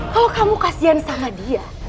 kalau kamu kasian sama dia